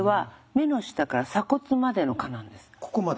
ここまで？